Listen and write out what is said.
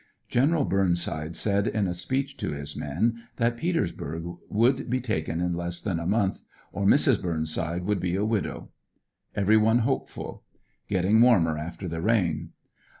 Gen. Burnside said in a speech to his men that Petersburg would be taken in less than a month or Mrs. Burnside would be a widow. Every one hopeful. Getting warmer after the rain.